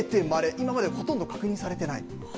今までほとんど確認されてない。